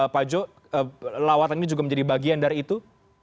pak jo lawatan ini juga menjadi bagian dari itu